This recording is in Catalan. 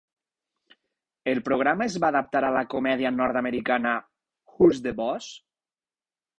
El programa es va adaptar a la comèdia nord-americana "Who's the Boss?".